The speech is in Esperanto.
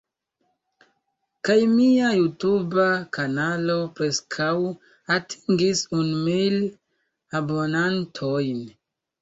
Kaj mia Jutuba kanalo preskaŭ atingis unu mil abonantojn.